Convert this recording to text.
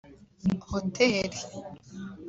hoteli